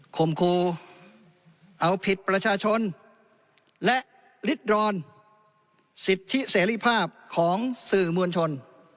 คมครูเอาผิดประชาชนและริดรอนสิทธิเสรีภาพของสื่อมวลชน